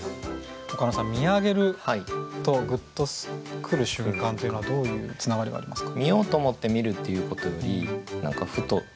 岡野さん「見上げる」と「グッとくる瞬間」というのはどういうつながりがありますか？